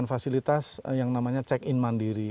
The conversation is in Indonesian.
fasilitas yang namanya check in mandiri